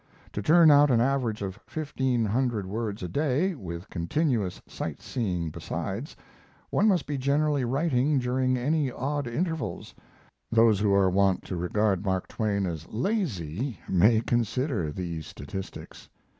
To turn out an average of fifteen hundred words a day, with continuous sight seeing besides, one must be generally writing during any odd intervals; those who are wont to regard Mark Twain as lazy may consider these statistics.